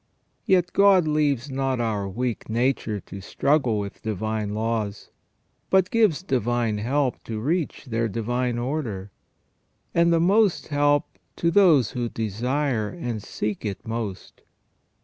Yet God leaves not our weak nature to struggle with divine la\\'s, but gives divine help to reach their divine order, and the most help to those who desire and seek it most.